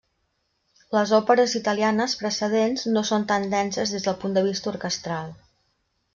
Les òperes italianes precedents no són tan denses des del punt de vista orquestral.